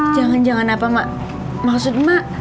jangan jangan apa mak maksud mbak